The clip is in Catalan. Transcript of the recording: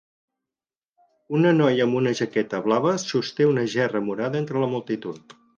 Una noia amb una jaqueta blava sosté una gerra morada entre la multitud.